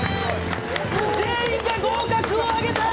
全員が合格をあげた！